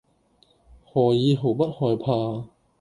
何以毫不害怕；